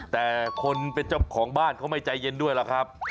แต่คนเป็นเจ้าของบ้านเขาไม่ใจเย็นด้วยล่ะครับ